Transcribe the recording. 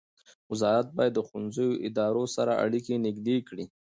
وزارت باید د ښوونیزو ادارو سره اړیکې نږدې کړي.